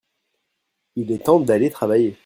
il est temps d'aller travailler.